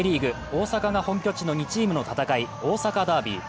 大阪が本拠地の２チームの戦い大阪ダービー。